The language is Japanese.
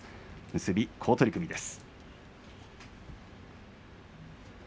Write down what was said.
結び、好取組です。